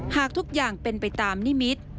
หากทุกอย่างเป็นไปตามนิมิตร